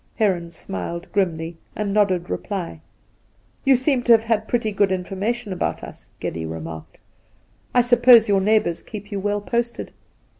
Heron smiled grimly, and nodded reply. ,' You seem to have had pretty good information about us,' Geddy remarked. ' I suppose your neighbours keep you well posted